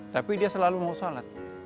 tapi dia selalu mau sholat